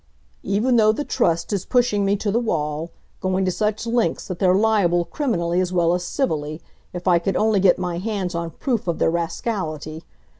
"Even though the Trust is pushing me to the wall; going to such lengths that they're liable criminally as well as civilly, if I could only get my hands on proof of their rascality.